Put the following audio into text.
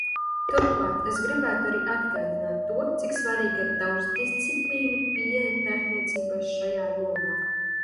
Turklāt es gribētu arī atgādināt to, cik svarīga ir daudzdisciplīnu pieeja pētniecībai šajā jomā.